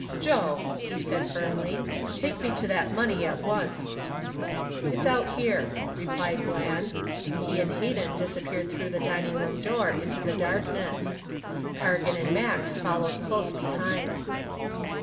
"Joe," he said firmly, "take me to that money at once." "It's out here," replied Bland. He and Hayden disappeared through the dining room door into the darkness. Cargan and Max followed close behind.